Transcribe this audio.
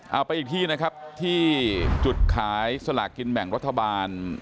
เอาไปอีกที่นะครับที่จุดขายสลากกินแบ่งรัฐบาล